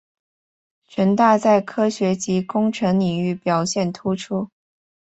城大在科学及工程领域表现突出。